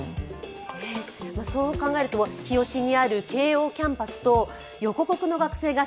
そう考えると日吉にある慶応キャンパスと横国の学生が